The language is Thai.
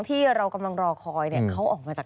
ที่เรากำลังรอคอยเขาออกมาจากใครแล้ว